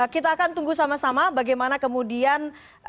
kita akan tunggu sama sama bagaimana kemudian